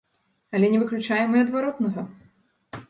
Але не выключаем і адваротнага.